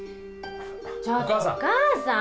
ちょっとお母さん。